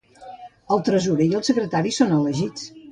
El tresorer i el secretari són elegits.